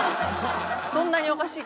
そんなにおかしい？